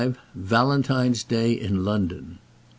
VALENTINE'S DAY IN LONDON.